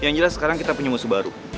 yang jelas sekarang kita punya musuh baru